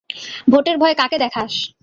ভোটের ভয় কাকে দেখাস?